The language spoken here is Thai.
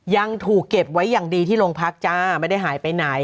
ยังถูกเก็บไว้อย่างดีที่โรงพักจ้าไม่ได้หายไปไหน